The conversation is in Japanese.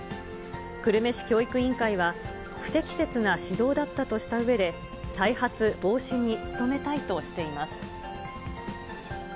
久留米市教育委員会は、不適切な指導だったとしたうえで、再発防止に努めたいとしています。